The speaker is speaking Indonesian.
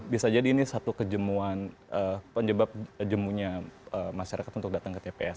bisa jadi ini satu kejemuan penyebab jemuhnya masyarakat untuk datang ke tps